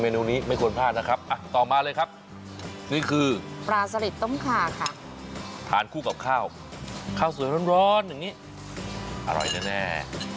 เมนูนี้ไม่ควรพลาดนะครับปลาสลิดต้มขาค่ะทานคู่กับข้าวข้าวสวยร้อนอร่อยแน่